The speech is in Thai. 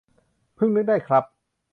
เพิ่งนึกได้ครับ